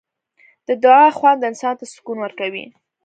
د دعا خوند انسان ته سکون ورکوي.